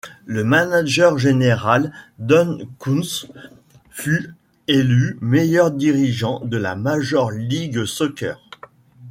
Le manager général, Dan Counce, fut élu meilleur dirigeant de la Major League Soccer.